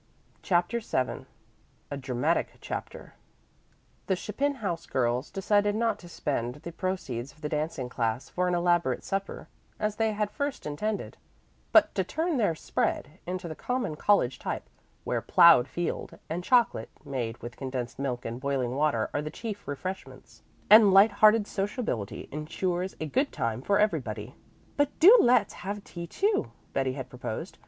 CHAPTER VII A DRAMATIC CHAPTER The Chapin house girls decided not to spend the proceeds of the dancing class for an elaborate supper, as they had first intended, but to turn their "spread" into the common college type, where "plowed field" and chocolate made with condensed milk and boiling water are the chief refreshments, and light hearted sociability ensures a good time for everybody. "But do let's have tea too," Betty had proposed.